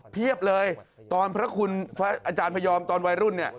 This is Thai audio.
เพียบเลยตอนพระคุณอาจารย์พยอมตอนวัยรุ่นเนี่ย